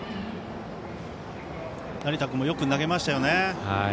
成田君もよく投げましたよね。